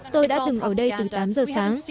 tôi đã từng ở đây từ tám giờ sáng